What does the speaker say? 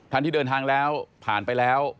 ที่เดินทางแล้วผ่านไปแล้ว